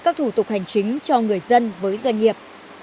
các thủ tục hành chính cho người dân với doanh nghiệp